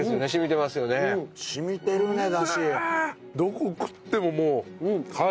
どこを食ってももう貝。